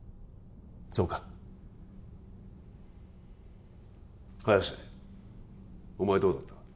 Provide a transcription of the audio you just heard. そうか早瀬お前はどうだった？